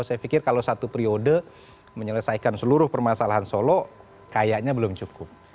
saya pikir kalau satu periode menyelesaikan seluruh permasalahan solo kayaknya belum cukup